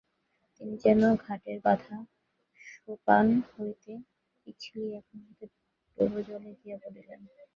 তিনি যেন ঘাটের বাঁধা সোপান হইতে পিছলিয়া একমুহূর্তে ডুবজলে গিয়া পড়িলেন।